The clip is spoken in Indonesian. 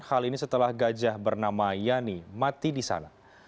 hal ini setelah gajah bernama yani mati di sana